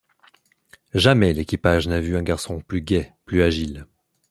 Jamais l’équipage n’avait vu un garçon plus gai, plus agile.